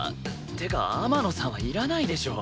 ってか天野さんはいらないでしょ。